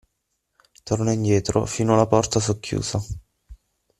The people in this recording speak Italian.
Tornò indietro fino alla porta socchiusa.